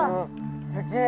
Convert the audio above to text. すげえ！